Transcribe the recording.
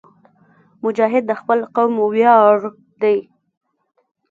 مجاهد د خپل قوم ویاړ دی.